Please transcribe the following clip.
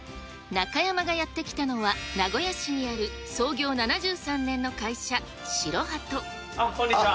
中山がやって来たのは、名古屋市にある創業７３年の会社、あ、こんにちは。